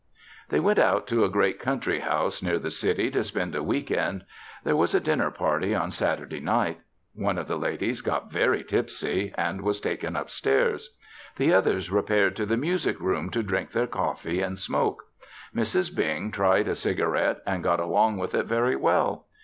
They went out to a great country house, near the city, to spend a week end. There was a dinner party on Saturday night. One of the ladies got very tipsy and was taken up stairs. The others repaired to the music room to drink their coffee and smoke. Mrs. Bing tried a cigarette and got along with it very well.